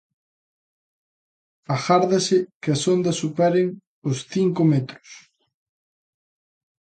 Agárdase que as ondas superen os cinco metros.